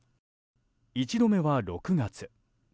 一度目は６月。